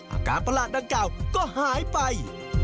ประหลาดดังกล่าวก็หายไป